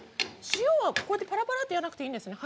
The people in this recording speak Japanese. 塩はパラパラってやらなくていいんですね。